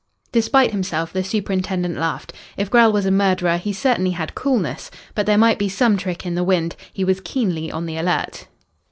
Despite himself the superintendent laughed. If Grell was a murderer he certainly had coolness. But there might be some trick in the wind. He was keenly on the alert.